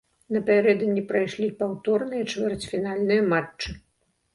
Напярэдадні прайшлі паўторныя чвэрцьфінальныя матчы.